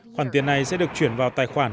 khoản tiền này sẽ được chuyển vào tài khoản